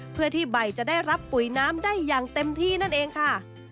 เพื่อที่ใบจะได้รับปุ๋ยน้ำได้อย่างเต็มที่นั่นเองค่ะ